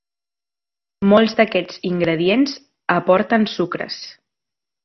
Molts d’aquests ingredients aporten sucres.